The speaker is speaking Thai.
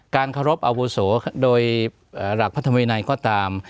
เคารพอาวุโสโดยหลักพระธรรมวินัยก็ตาม